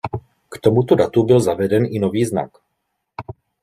K tomuto datu byl zaveden i nový znak.